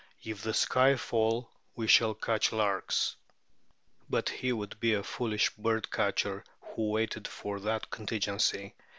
"If the sky fall, we shall catch larks." But he would be a foolish bird catcher who waited for that contingency.